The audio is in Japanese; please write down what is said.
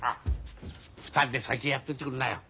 ２人で先やっててくんなよ。